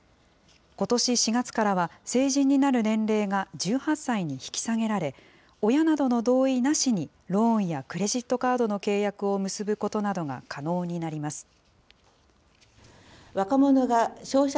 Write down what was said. ことし４月からは、成人になる年齢が１８歳に引き下げられ、親などの同意なしにローンやクレジットカードの契約を結ぶことなどが可能になります。